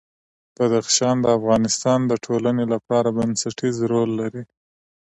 بدخشان د افغانستان د ټولنې لپاره بنسټيز رول لري.